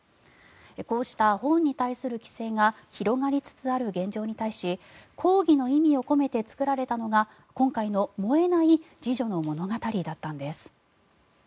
こうした本に対する規制が広がりつつある現状に対し抗議の意味を込めて作られたのが今回の燃えない「侍女の物語」だったんです。